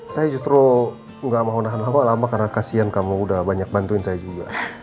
saya justru nggak mau nahan lama lama karena kasian kamu udah banyak bantuin saya juga